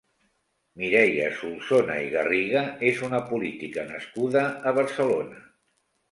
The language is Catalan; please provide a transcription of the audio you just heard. Mireia Solsona i Garriga és una política nascuda a Barcelona.